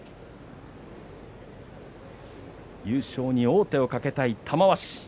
優勝に王手をかけたい玉鷲。